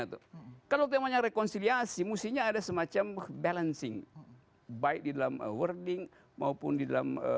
itu kalau temanya rekonsiliasi mustinya ada semacam balancing baik di dalam wording maupun di dalam